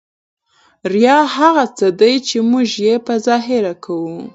ریا هغه څه دي ، چي موږ ئې په ظاهره کوو.